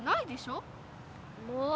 もう！